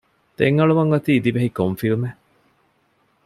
ދެން އަޅުވަން އޮތީ ދިވެހި ކޮން ފިލްމެއް؟